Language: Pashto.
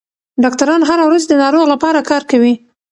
ډاکټران هره ورځ د ناروغ لپاره کار کوي.